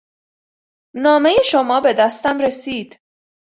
نامهٔ شما بدستم رسید.